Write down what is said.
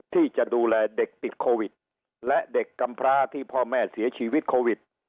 ที่จะดูแลเด็กติดโควิดและเด็กกำพร้าที่พ่อแม่เสียชีวิตโควิด